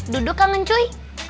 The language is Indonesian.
duduk kangen cuy